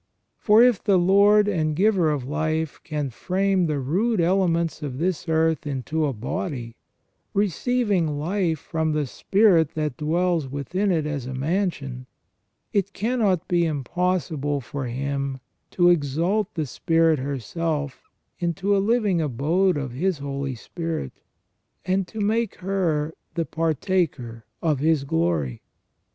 For if the Lord and Giver of life can frame the rude elements of this earth into a body, receiving life from the spirit that dwells within it as a mansion, it cannot be impossible for Him to exalt the spirit herself into a living abode of His Holy Spirit, and to make her the partaker of His glory.